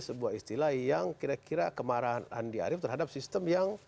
sebuah istilah yang kira kira kemarahan andi arief terhadap sistem yang